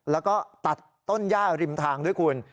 แล้วก็ตัดต้นย่าริมทางด้วยคุณ